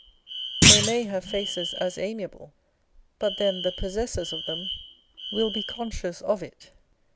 They may have faces as amiable, but then the possessors of them will be conscious of it.